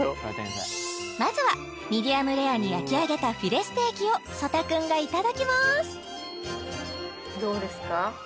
まずはミディアムレアに焼き上げたフィレステーキを曽田君がいただきますどうですか？